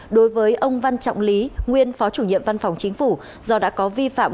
đối với ông văn trọng lý nguyên phó chủ nhiệm văn phòng chính phủ do đã có vi phạm